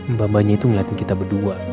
mbak mbaknya itu ngeliatin kita berdua